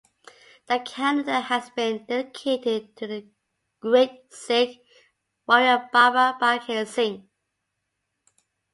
The calendar has been dedicated to the great Sikh warrior Baba Baghel Singh.